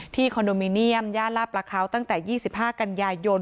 คอนโดมิเนียมย่านลาบประเขาตั้งแต่๒๕กันยายน